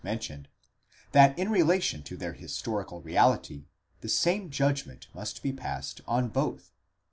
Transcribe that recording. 613 mentioned, that in relation to their historical reality, the same judgment must be passed on both.